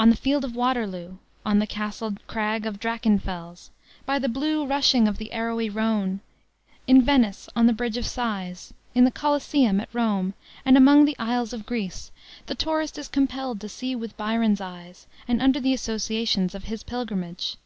On the field of Waterloo, on "the castled crag of Drachenfels," "by the blue rushing of the arrowy Rhone," in Venice, on the Bridge of Sighs, in the Coliseum at Rome, and among the "Isles of Greece," the tourist is compelled to see with Byron's eyes and under the associations of his pilgrimage.